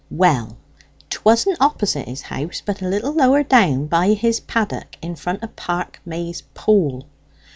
"Well, 'twasn't opposite his house, but a little lower down by his paddock, in front o' Parkmaze Pool.